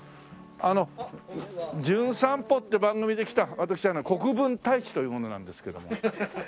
あの『じゅん散歩』って番組で来た私国分太一という者なんですけども。